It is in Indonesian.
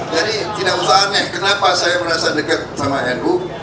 jadi tidak usah aneh kenapa saya merasa dekat sama nu